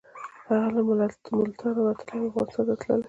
هغه له ملتانه وتلی او افغانستان ته تللی.